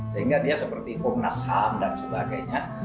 sehingga dia seperti hukum nasham dan sebagainya